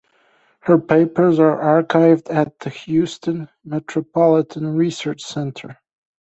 Her papers are archived at the Houston Metropolitan Research Center.